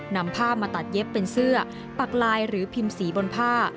นำผ้ามาตัดเย็บเป็นเสื้อปักลายหรือพิมพ์สีบนผ้า